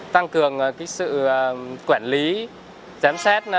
tăng cường sự quản lý giám sát